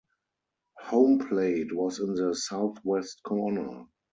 Home plate was in the southwest corner.